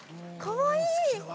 ◆かわいい！